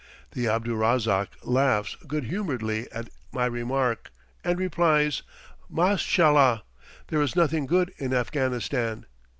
Abdurrahzaak laughs good humoredly at my remark, and replies, "Mashallah! there is nothing good in Afghanistan."